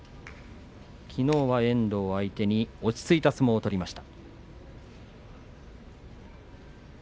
きのうは遠藤相手に落ち着いた相撲を取りました。